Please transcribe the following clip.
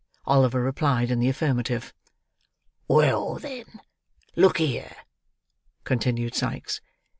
Oliver replied in the affirmative. "Well, then, look here," continued Sikes.